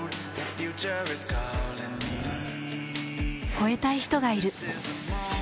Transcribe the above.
超えたい人がいる。